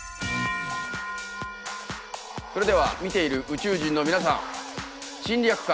それでは見ている宇宙人の皆さん侵略か。